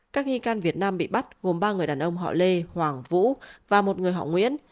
các nghi can việt nam bị bắt gồm ba người đàn ông họ lê hoàng vũ và một người họ nguyễn